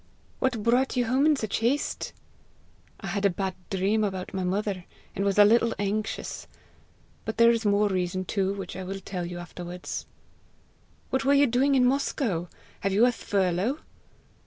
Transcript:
"What brought you home in such haste?" "I had a bad dream about my mother, and was a little anxious. There was more reason too, which I will tell you afterwards." "What were you doing in Moscow? Have you a furlough?"